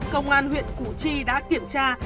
công an huyện củ chi đã kiểm tra